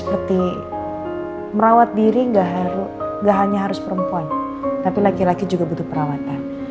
perawat diri gak hanya harus perempuan tapi laki laki juga butuh perawatan